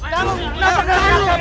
kamu langsung ke dalam